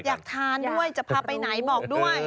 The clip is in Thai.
อยากทานด้วยจะพาไปไหนบอกด้วย